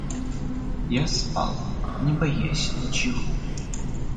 Я спал, не боясь ничего.